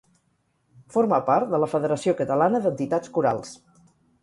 Forma part de la Federació Catalana d'Entitats Corals.